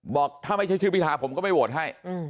บอกถ้าไม่ใช่ชื่อพิธาผมก็ไม่โหวตให้